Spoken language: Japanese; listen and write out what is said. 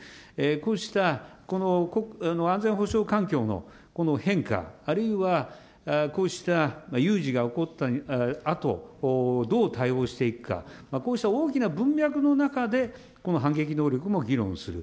こうした安全保障環境のこの変化、あるいはこうした有事が起こったあと、どう対応していくか、こうした大きな文脈の中で、この反撃能力も議論する。